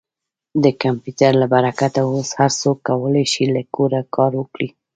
د کمپیوټر له برکته اوس هر څوک کولی شي له کوره کار وکړي.